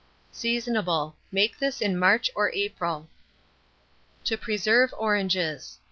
Seasonable. Make this in March or April. TO PRESERVE ORANGES.